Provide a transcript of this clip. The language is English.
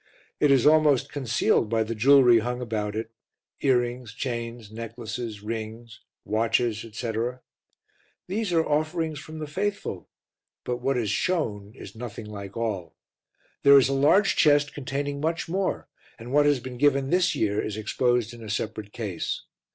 It is almost concealed by the jewellery hung about it, earrings, chains, necklaces, rings, watches etc. These are offerings from the faithful, but what is shown is nothing like all. There is a large chest containing much more and what has been given this year is exposed in a separate case.